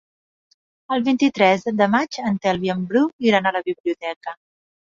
El vint-i-tres de maig en Telm i en Bru iran a la biblioteca.